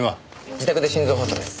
自宅で心臓発作です。